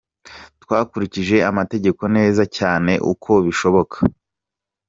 Twakurikije amategeko neza cyane, uko bishoboka.